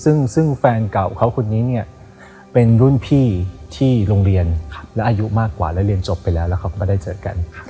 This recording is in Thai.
ซึ่งแฟนเก่าเขาคนนี้เนี่ยเป็นรุ่นพี่ที่โรงเรียนและอายุมากกว่าแล้วเรียนจบไปแล้วแล้วเขาก็มาได้เจอกัน